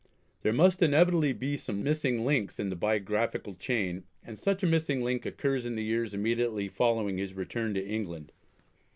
There must inevitably be some missing links in the biographical chain, and such a missing link occurs in the years immediately following his return to England.